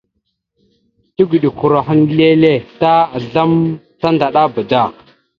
Tigəɗokoloro ahaŋ leele ta azlam tandaɗaba da.